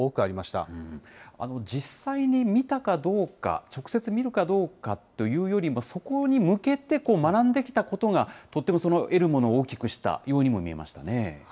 実際に見たかどうか、直接見るかどうかというよりも、そこに向けて学んできたことが、とっても得るもの大きくしたようにも見えましたね。